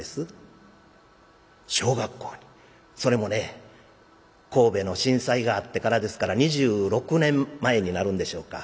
それもね神戸の震災があってからですから二十六年前になるんでしょうか。